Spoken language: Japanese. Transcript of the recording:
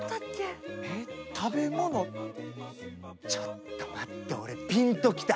ちょっと待って俺ピンと来た。